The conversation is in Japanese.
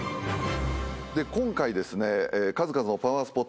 今回ですね数々のパワースポット